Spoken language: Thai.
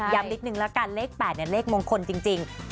ย้ำนิดหนึ่งแล้วกันเลข๘เนี่ยเลขมงคลจริง